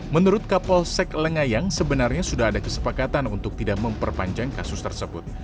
menurut kapolsek lengayang sebenarnya sudah ada kesepakatan untuk tidak memperpanjang kasus tersebut